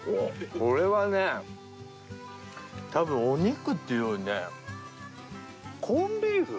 これはね多分お肉っていうよりねコンビーフ。